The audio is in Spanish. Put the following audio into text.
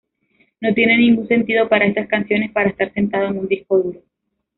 No tiene ningún sentido para estas canciones para estar sentado en un disco duro.